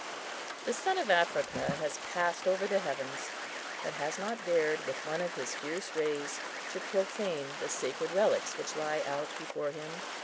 The sun of Africa has passed over the heavens, but has not dared with one of his fierce rays to profane the sacred relics which lie out before him.